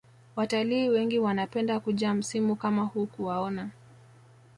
Watalii wengi wanapenda kuja msimu kama huu kuwaona